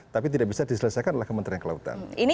tapi tidak bisa diselesaikan oleh kementerian kelautan